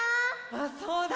あっそうだ！